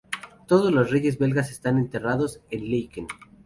Todos los reyes belgas están enterrados en Laeken.